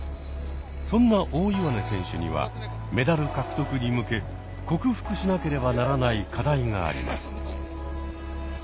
そんな大岩根選手にはメダル獲得に向け克服しなければならない課題があります。